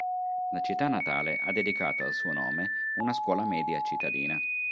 La città natale ha dedicato al suo nome una scuola media cittadina.